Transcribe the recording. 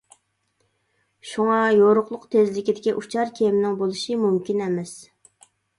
شۇڭا، يورۇقلۇق تېزلىكىدىكى ئۇچار كېمىنىڭ بولۇشى مۇمكىن ئەمەس.